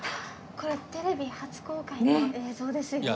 これテレビ初公開の映像ですよ。